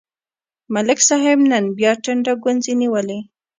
ملک صاحب نن بیا ټنډه ګونځې نیولې.